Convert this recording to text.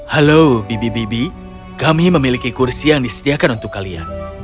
halo bibi bibi kami memiliki kursi yang disediakan untuk kalian